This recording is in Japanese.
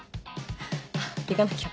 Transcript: あっ行かなきゃ。